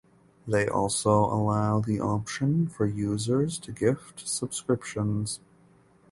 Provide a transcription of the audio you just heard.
They also allow the option for users to gift subscriptions.